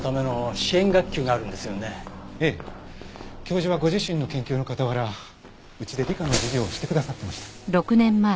教授はご自身の研究の傍らうちで理科の授業をしてくださってました。